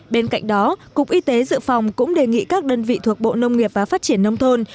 bên cạnh đó cục y tế dự phòng cũng đề nghị các đơn vị thuộc bộ nông nghiệp và phát triển nông thôn